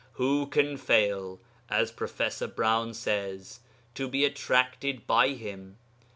Who can fail, as Prof. Browne says, to be attracted by him?